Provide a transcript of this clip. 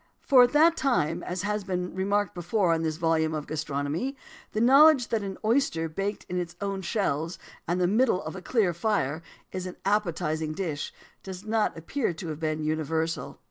For at that time as has been remarked before, in this volume on gastronomy the knowledge that an oyster baked in his own shells, in the middle of a clear fire, is an appetising dish, does not appear to have been universal.